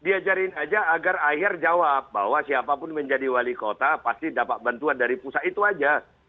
diajarin aja agar akhir jawab bahwa siapapun menjadi wali kota pasti dapat bantuan dari pusat itu aja